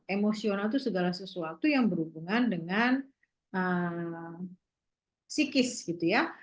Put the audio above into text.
emosional itu segala sesuatu yang berhubungan dengan psikis gitu ya